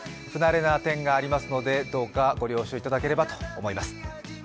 不慣れな点がありますので、どうかご了承いただければと思います。